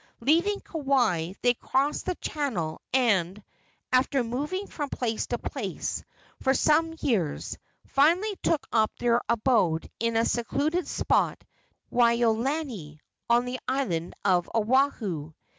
Leaving Kauai, they crossed the channel, and, after moving from place to place for some years, finally took up their abode in a secluded spot near Waolani, on the island of Oahu.